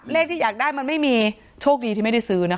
เลขที่อยากได้มันไม่มีโชคดีที่ไม่ได้ซื้อนะคะ